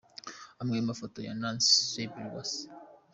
Amwe mu mafoto ya Nancy Sibylle Uwase.